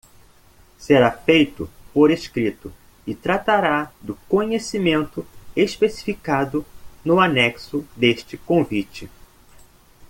Será feito por escrito e tratará do conhecimento especificado no anexo deste convite.